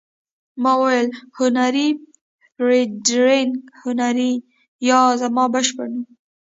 ما وویل: هنري، فرېډریک هنري، دا زما بشپړ نوم دی.